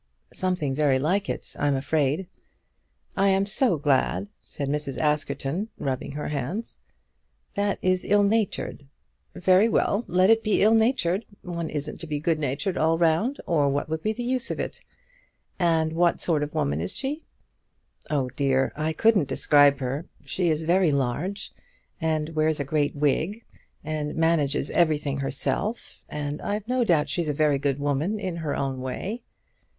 "Something very like it, I'm afraid." "I am so glad," said Mrs. Askerton, rubbing her hands. "That is ill natured." "Very well. Let it be ill natured. One isn't to be good natured all round, or what would be the use of it? And what sort of woman is she?" "Oh dear; I couldn't describe her. She is very large, and wears a great wig, and manages everything herself, and I've no doubt she's a very good woman in her own way."